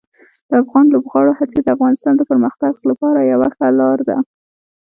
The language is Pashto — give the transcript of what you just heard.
د افغان لوبغاړو هڅې د افغانستان د پرمختګ لپاره یوه ښه لار ده.